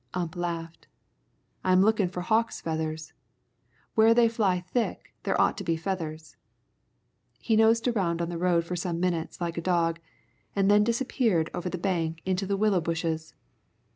Ump laughed. "I'm lookin' for hawks' feathers. Where they fly thick, there ought to be feathers." He nosed around on the road for some minutes like a dog, and then disappeared over the bank into the willow bushes.